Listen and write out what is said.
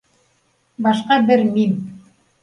Башҡа бер Мим